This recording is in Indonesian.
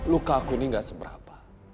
luka aku ini gak seberapa